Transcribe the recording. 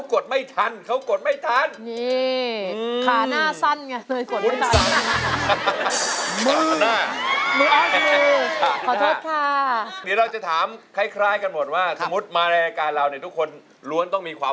พี่สามเขาพูดมีเหตุผลนะ